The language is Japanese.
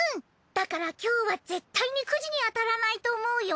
だから今日は絶対にクジに当たらないと思うよ。